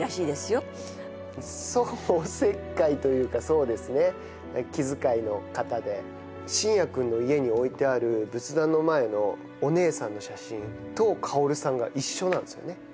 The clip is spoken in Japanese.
そうおせっかいというかそうですね気遣いの方で信也君の家に置いてある仏壇の前のお姉さんの写真と香さんが一緒なんですよね